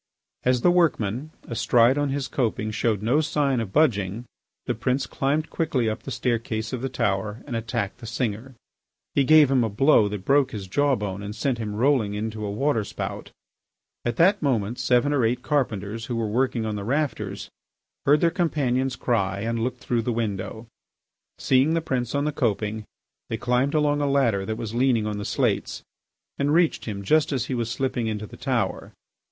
As the workman, astride on his coping, showed no sign of budging, the prince climbed quickly up the staircase of the tower and attacked the singer. He gave him a blow that broke his jaw bone and sent him rolling into a water spout. At that moment seven or eight carpenters, who were working on the rafters, heard their companion's cry and looked through the window. Seeing the prince on the coping they climbed along a ladder that was leaning on the slates and reached him just as he was slipping into the tower.